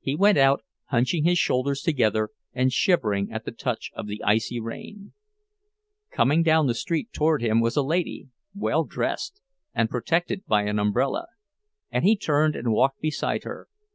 He went out, hunching his shoulders together and shivering at the touch of the icy rain. Coming down the street toward him was a lady, well dressed, and protected by an umbrella; and he turned and walked beside her.